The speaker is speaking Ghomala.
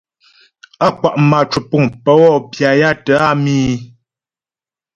Á kwa' mâ cwəpuŋ pə wɔ pya ya tə́ á mǐ̃.